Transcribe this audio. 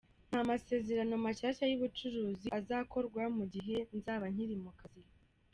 "Nta masezerano mashasha y'ubucuruzi azokorwa mu gihe nzoba nkiri mu kazi".